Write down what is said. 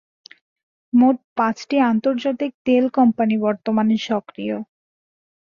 মোট পাঁচটি আন্তর্জাতিক তেল কোম্পানি বর্তমানে সক্রিয়।